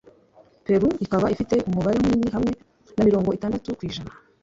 Peru ikaba ifite umubare munini hamwe na mirongo itandatu ku ijana.